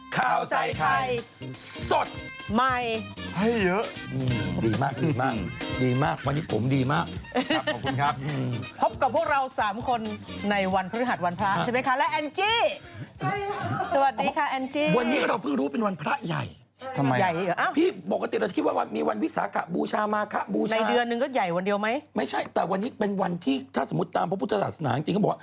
ก็ดีครับข้าวใส่ไข่สดใหม่ให้เยอะดีมากดีมากดีมากวันนี้ผมดีมากนะครับกับ